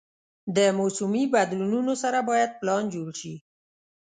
د موسمي بدلونونو سره باید پلان جوړ شي.